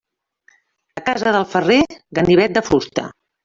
A casa del ferrer, ganivet de fusta.